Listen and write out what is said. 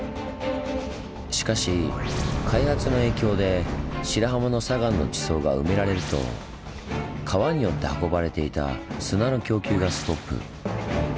しかし開発の影響で白浜の砂岩の地層が埋められると川によって運ばれていた砂の供給がストップ。